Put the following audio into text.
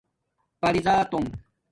پری زاتونݣ